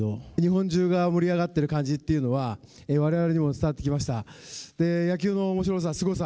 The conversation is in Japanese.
日本中が盛り上がっている感じというのはわれわれにも伝わってきました。